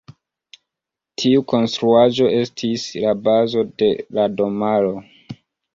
Tiu konstruaĵo estis la bazo de la domaro.